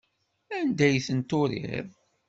Anda ay ten-turiḍ?